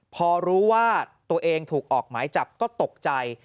พอรู้ว่าตัวเองถูกออกหมายจับก็ตกใจ